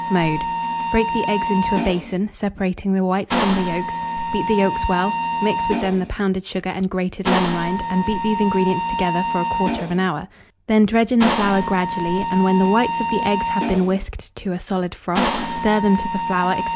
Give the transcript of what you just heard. Mode. Break the eggs into a basin, separating the whites from the yolks; beat the yolks well, mix with them the pounded sugar and grated lemon rind, and beat these ingredients together for 1/4 hour. Then dredge in the flour gradually, and when the whites of the eggs have been whisked to a solid froth, stir them to the flour, &c.